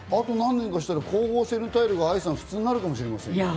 あと何年かしたら光合成のタイルが普通になるかもしれません。